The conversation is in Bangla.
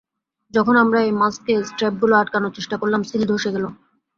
যখন আমরা এই মাস্কে স্ট্র্যাপগুলো আটকানোর চেষ্টা করলাম, সিল ধসে গেল।